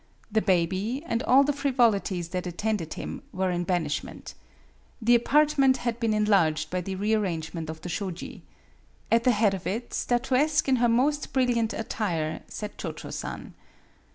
The baby, and all the frivolities that attended him, were in banishment. The apartment had been enlarged by the rearrangement of the shoji. At the head of it, statuesque in her most brilliant attire, sat Cho Cho San.